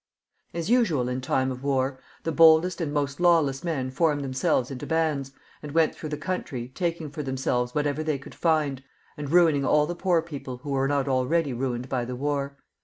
As usual in time of war, the boldest and most lawless men formed them selves into bands, and went through the country, taking for themselves whatever they could find, and ruining all the poor people who were not already ruined by the war.